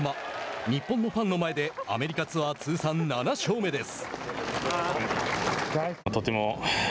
日本のファンの前でアメリカツアー通算７勝目です。